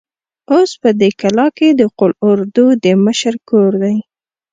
اوس په دې کلا کې د قول اردو د مشر کور دی.